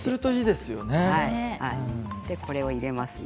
で、これを入れますね。